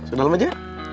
ke dalam aja ya